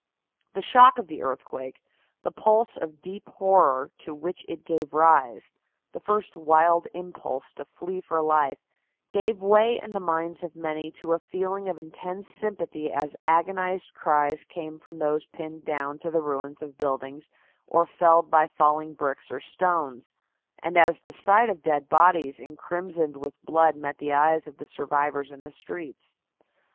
The shock of the earthquake, the pulse of deep horror to which it gave rise, the first wild impulse to flee for life, gave way in the minds of many to a feeling of intense sympathy as agonized cries came from those pinned down to the ruins of buildings or felled by falling bricks or stones, and as the sight of dead bodies incrimsoned with blood met the eyes of the survivors in the streets.